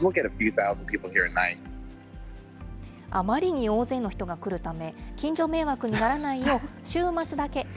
あまりに大勢の人が来るため、近所迷惑にならないよう、週末だ